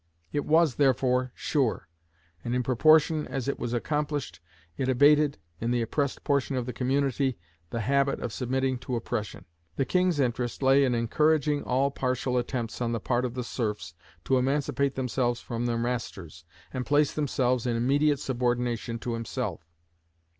It was, therefore, sure; and, in proportion as it was accomplished, it abated, in the oppressed portion of the community, the habit of submitting to oppression. The king's interest lay in encouraging all partial attempts on the part of the serfs to emancipate themselves from their masters, and place themselves in immediate subordination to himself.